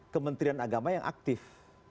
kementerian agama yang aktif